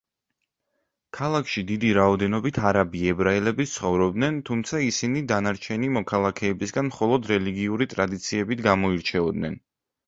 ქალაქში დიდი რაოდენობით არაბი ებრაელებიც ცხოვრობდნენ, თუმცა ისინი დანარჩენი მოქალაქეებისგან მხოლოდ რელიგიური ტრადიციებით გამოირჩეოდნენ.